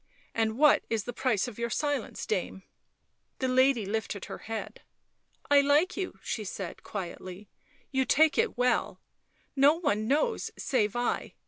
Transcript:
and what is the price of your silence, dame ?" The lady lifted her head. " I like you," she said quietly. " You take it well. No one knows save I.